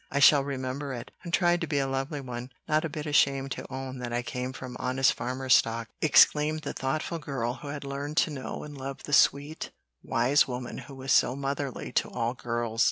I shall remember it, and try to be a lovely one, not a bit ashamed to own that I came from honest farmer stock," exclaimed the thoughtful girl who had learned to know and love the sweet, wise woman who was so motherly to all girls.